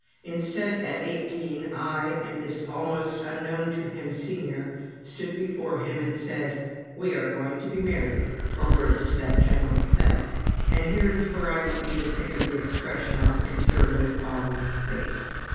Instead, at eighteen, I and this almost unknown to him Senior stood before him and said, "We are going to be married," or words to that general effect. And here is where I want you to think of the expression on my conservative father's face.